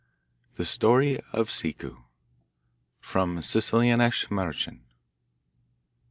The Story of Ciccu From Sicilianische Mahrchen.